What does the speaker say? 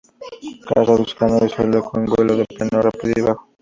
Caza buscando en el suelo con un vuelo de planeo rápido y bajo.